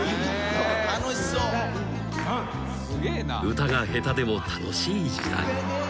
［歌が下手でも楽しい時代］